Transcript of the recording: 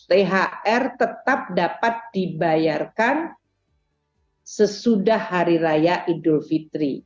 thr tetap dapat dibayarkan sesudah hari raya idul fitri